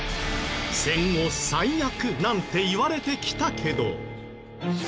戦後最悪なんていわれてきたけど。